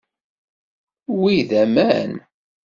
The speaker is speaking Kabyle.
Wi d aman.